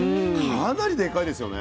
かなりデカいですよね。